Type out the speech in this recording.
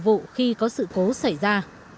vụ khi có sự cố xảy ra